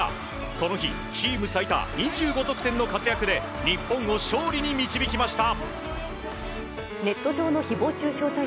この日チーム最多２５得点の活躍で日本を勝利に導きました。